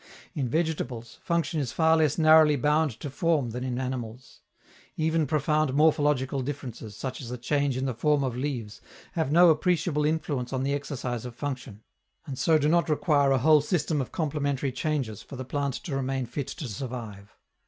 In vegetables, function is far less narrowly bound to form than in animals. Even profound morphological differences, such as a change in the form of leaves, have no appreciable influence on the exercise of function, and so do not require a whole system of complementary changes for the plant to remain fit to survive.